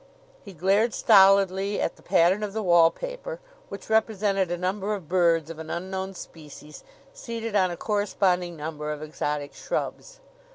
He glared stolidly at the pattern of the wallpaper, which represented a number of birds of an unknown species seated on a corresponding number of exotic shrubs.